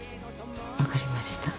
分かりました。